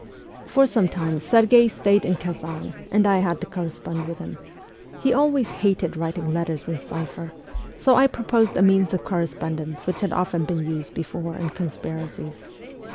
For some time Serghei stayed in Kazdn, and I had to correspond with him. Headways hated writing letters in cipher, so I proposed a means of corre spondence which had often been used before in conspira cies.